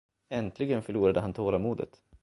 Äntligen förlorade han tålamodet.